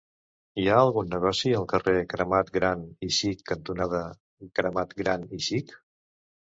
Hi ha algun negoci al carrer Cremat Gran i Xic cantonada Cremat Gran i Xic?